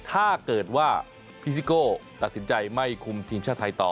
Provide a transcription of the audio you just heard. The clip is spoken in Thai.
ถ้าเกิดว่าพี่ซิโก้ตัดสินใจไม่คุมทีมชาติไทยต่อ